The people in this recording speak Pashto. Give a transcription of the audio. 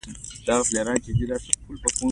لکه زما د یوازیتوب حجره چې یو دم په خلکو ډکه شي.